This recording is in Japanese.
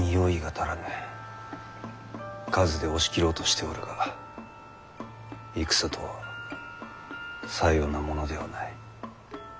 数で押し切ろうとしておるが戦とはさようなものではない。